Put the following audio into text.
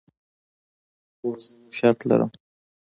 خو زه یو شرط لرم.